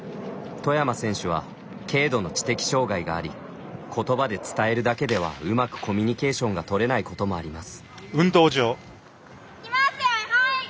外山選手は軽度の知的障がいがありことばで伝えるだけではうまくコミュニケーションが取れないこともあります。